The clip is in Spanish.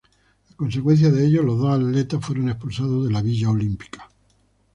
A consecuencia de ello, los dos atletas fueron expulsados de la villa olímpica.